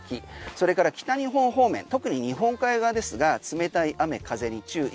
それから北日本方面特に日本海側ですが冷たい雨風に注意。